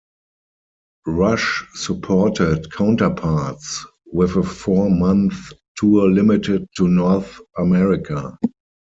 Rush supported "Counterparts" with a four-month tour limited to North America.